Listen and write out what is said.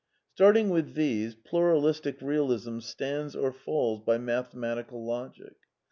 Starting with these. Pluralistic Bealism stands or falls by mathematical logic.